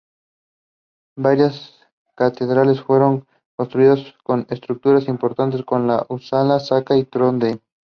Varias catedrales fueron construidas con estatuas importantes, como la de Upsala, Skara y Trondheim.